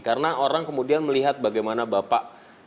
karena orang kemudian melihat bagaimana bapak